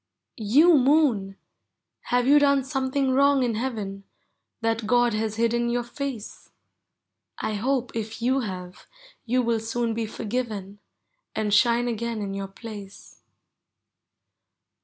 You Moon! have you done something wrong in heaven, That Mod has hidden your face? 1 hope, if you have, you will soon be forgiven, And shine again in your place.